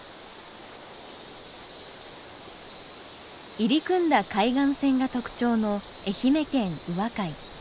入り組んだ海岸線が特徴の愛媛県宇和海。